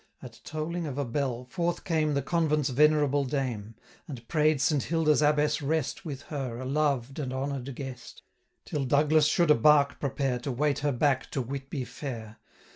At tolling of a bell, forth came The convent's venerable Dame, And pray'd Saint Hilda's Abbess rest With her, a loved and honour'd guest, 845 Till Douglas should a bark prepare To wait her back to Whitby fair.